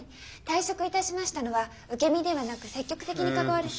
退職いたしましたのは受け身ではなく積極的に関わる。